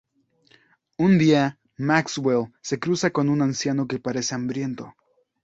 Un día, Maxwell se cruza con un anciano que parece hambriento.